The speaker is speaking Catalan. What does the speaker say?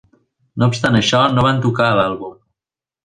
No obstant això, no van tocar a l'àlbum.